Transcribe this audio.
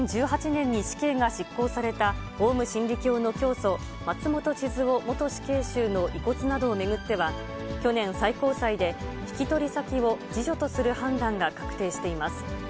２０１８年に死刑が執行されたオウム真理教の教祖、松本智津夫元死刑囚の遺骨などを巡っては、去年、最高裁で、引取先を次女とする判断が確定しています。